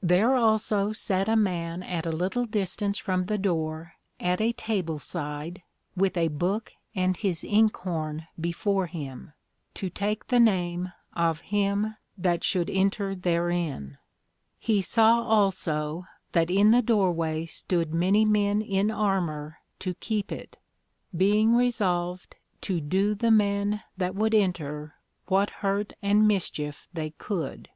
There also sat a man at a little distance from the door, at a table side, with a Book and his Inkhorn before him, to take the name of him that should enter therein; He saw also, that in the door way stood many men in armour to keep it, being resolved to do the men that would enter what hurt and mischief they could.